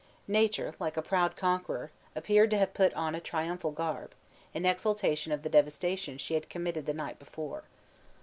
Nature, like a proud conqueror, appeared to have put on a triumphal garb, in exultation of the devastation she had committed the night before.